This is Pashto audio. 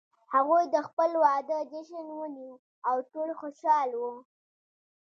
هغوی د خپل واده جشن ونیو او ټول خوشحال وو